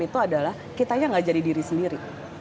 itu adalah kitanya gak jadi diri sendiri